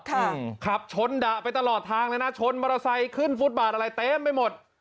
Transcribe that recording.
ขับชนดะไปตลอดทางเลยนะชนมอเตอร์ไซค์ขึ้นฟุตบาทอะไรเต็มไปหมด